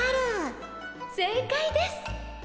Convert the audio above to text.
正解です。